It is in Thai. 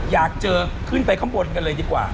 อยากเจอขึ้นไปข้างบนกันเลยดีกว่า